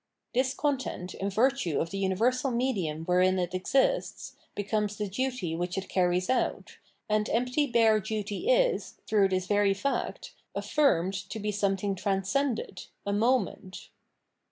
This content, in virtue of the universal medium wherein it exists, becomes the dutv which it carries out, and empty bare duty is, through this very fact, aflSirmed to be something tran scended, a moment.